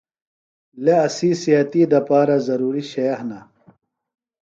لے اسی صحتی دپارہ ضروری شئے ہِنہ۔